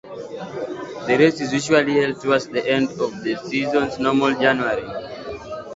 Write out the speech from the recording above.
The race is usually held towards the end of the season; normally January.